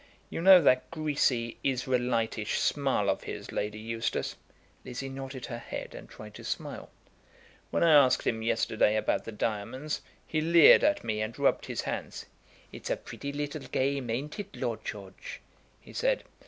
You know that greasy, Israelitish smile of his, Lady Eustace." Lizzie nodded her head and tried to smile. "When I asked him yesterday about the diamonds, he leered at me and rubbed his hands. 'It's a pretty little game; ain't it, Lord George?' he said.